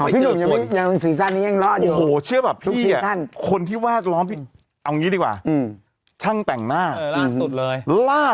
เผื่อเชื้อมันเดินข้ำ